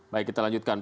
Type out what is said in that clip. baik kita lanjutkan